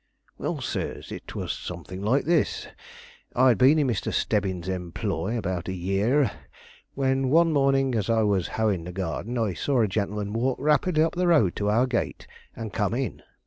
"Well, sirs, it was something like this. I had been in Mr. Stebbins' employ about a year, when one morning as I was hoeing in the garden I saw a gentleman walk rapidly up the road to our gate and come in.